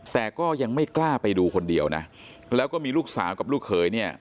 แต่ก็ยังไม่กล้าไปดูคนเดียวนะแล้วก็มีลูกสาวกับลูกเขยเนี่ย